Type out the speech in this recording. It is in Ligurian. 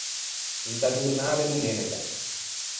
Inta giornâ de domenega.